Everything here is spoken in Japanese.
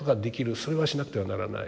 それはしなくてはならない。